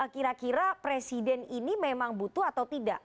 kira kira presiden ini memang butuh atau tidak